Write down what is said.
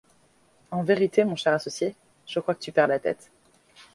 En vérité, mon cher associé, je crois que tu perds la tête.